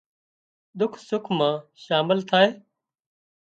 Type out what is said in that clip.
ۮُک سُک مان شامل ٿائي